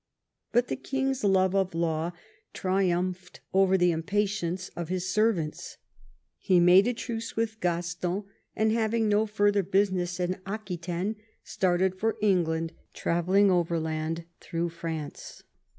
But the king's love of law triumphed over the impatience of his servants. He made a truce with Gaston,' and having no further business in Aquitaine, started for England, travelling overland through France.